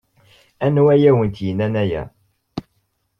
Anwa ay awent-yennan aya?